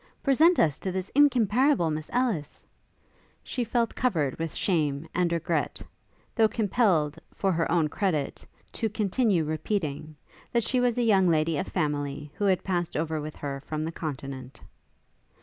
'Present us to this incomparable Miss Ellis;' she felt covered with shame and regret; though compelled, for her own credit, to continue repeating, that she was a young lady of family who had passed over with her from the Continent.